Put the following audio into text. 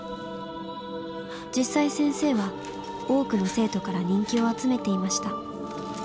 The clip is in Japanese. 実際先生は多くの生徒から人気を集めていました。